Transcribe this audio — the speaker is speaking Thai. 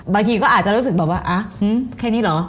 บางทีก็อาจจะรู้สึกแบบว่าแค่นี้เหรอ